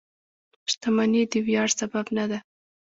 • شتمني د ویاړ سبب نه ده.